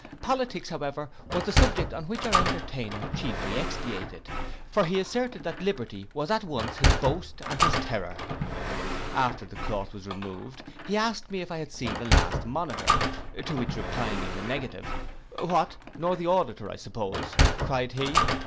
Politics, however, was the subject on which our entertainer chiefly expatiated; for he asserted that liberty was at once his boast and his terror. After the cloth was removed, he asked me if I had seen the last Monitor, to which replying in the negative, 'What, nor the Auditor, I suppose?' cried he.